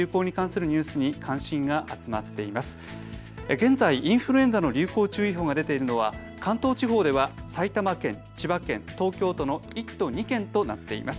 現在、インフルエンザの流行注意報が出ているのは関東地方では埼玉県、千葉県、東京都の１都２県となっています。